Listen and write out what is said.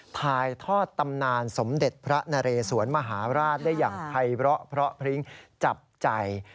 ทายทอดตำนานสมเด็จให้ภรรเมย์สรวนมหาราชได้อย่างไพเพราะเพราะภริงจับใจ